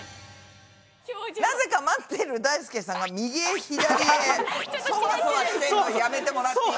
なぜか待ってるだいすけさんが右へ左へそわそわしてんのやめてもらっていい？